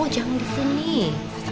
jangan disini ya